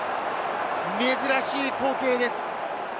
珍しい光景です。